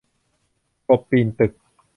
กบปีนตึก